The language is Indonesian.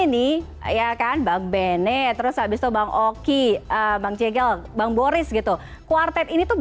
ini air kan bang benet terus habis kebang okey revmparnce gel bangboris gitu kuartet ini tuh